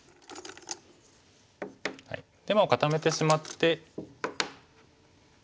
もう固めてしまって。